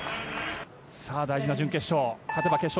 大事な準決勝。